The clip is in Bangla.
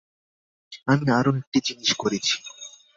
আমি আরো একটি জিনিস করেছি।